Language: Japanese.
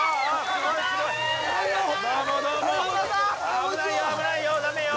危ないよ危ないよダメよ。